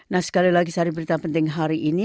nah sekali lagi cari berita penting hari ini